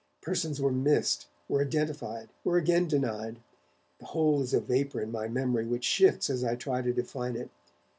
Persons were missed, were identified, were again denied the whole is a vapour in my memory which shifts as I try to define it.